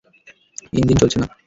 Engine চলছে না।